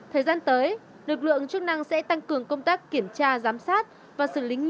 thời gian tới lực lượng chức năng sẽ tăng cường công tác kiểm tra giám sát và xử lý nghiêm các hành vi buôn lậu gián lận thương mại